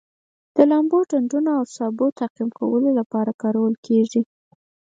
د لامبلو ډنډونو او سابو تعقیم کولو لپاره کارول کیږي.